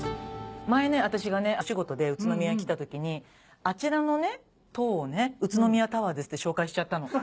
前ね私がねお仕事で宇都宮来たときにあちらのね塔をね宇都宮タワーですって紹介しちゃったの。